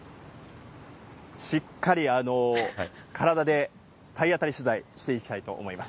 しっかり、体で体当たり取材してきたいと思います。